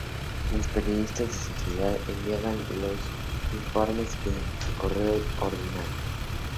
Los periodistas de sociedad enviaban sus informes mediante el correo ordinario.